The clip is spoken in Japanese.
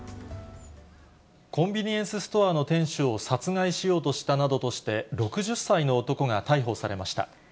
コンビニエンスストアの店主を殺害しようとしたなどとして、６０歳の男が逮捕されました。